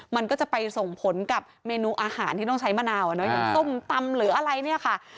มันก็จะไปส่งผลกับเมนูอาหารที่ต้องใช้มะนาวอย่างส้มตำหรืออะไรเนี่ยค่ะ